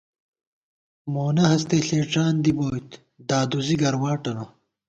مونہ ہستےݪېڄان دِبوئیت دادوزی گرواٹَنہ